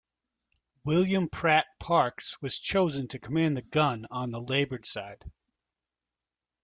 William Pratt Parks was chosen to command the gun on the larboard side.